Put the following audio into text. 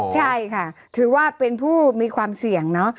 ใช่ค่ะถือว่าเป็นผู้มีความเสี่ยงเนอะ